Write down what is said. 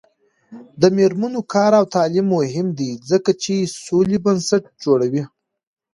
د میرمنو کار او تعلیم مهم دی ځکه چې سولې بنسټ جوړوي.